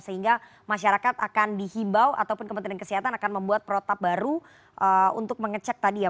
sehingga masyarakat akan dihimbau ataupun kementerian kesehatan akan membuat protap baru untuk mengecek tadi ya